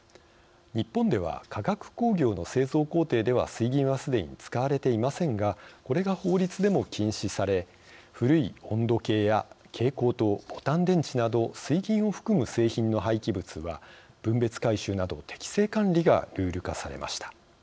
日本では化学工業の製造工程では、水銀はすでに使われていませんがこれが法律でも禁止され古い温度計や蛍光灯ボタン電池など水銀を含む製品の廃棄物は分別回収など適正管理がルール化されました。